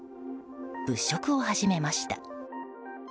物色を始めました。